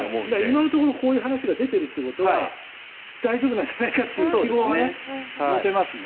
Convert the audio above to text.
今のところ、こういう話が出てるということは大丈夫なんじゃないかという希望が持てますね。